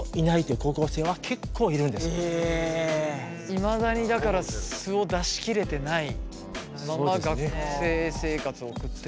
いまだにだから素を出し切れてないまま学生生活を送ってる。